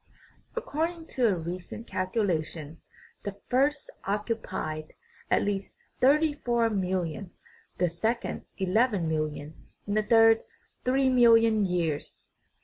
According to a recent calculation, the first occupied at least thirty four mill ion, the second eleven million, and the third three million years.